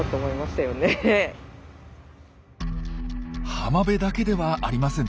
浜辺だけではありません。